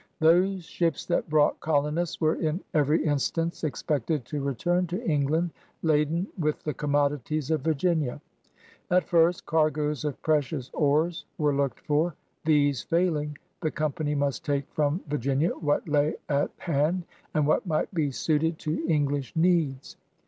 Those ships that brought colonists were in every instance expected to return to England laden with the commodities of Virginia. At first cargoes of precious ores were looked for. These failing, the Company must take from Virginia what lay at hand and what might be suited to English needs.